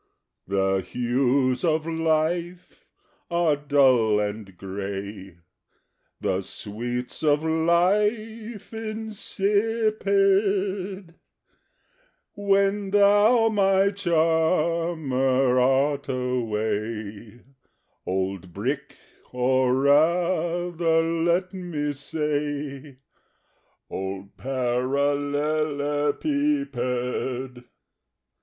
_ '_The hues of life are dull and gray, The sweets of life insipid, When thou, my charmer, art away Old Brick, or rather, let me say, Old Parallelepiped!